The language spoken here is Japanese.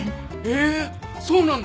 えそうなんだ！